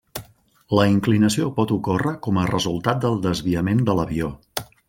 La inclinació pot ocórrer com a resultat del desviament de l'avió.